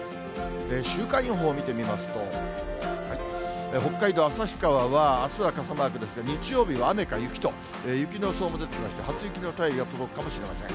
週間予報を見てみますと、北海道旭川はあすは傘マークですが、日曜日は雨か雪と、雪の予想も出てきまして、初雪の便りが届くかもしれません。